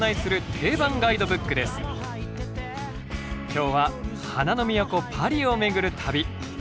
今日は花の都パリを巡る旅。